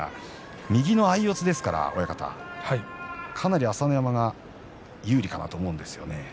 右の相四つですからかなり朝乃山が有利かなと思います。